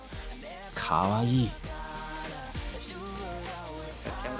かわいい！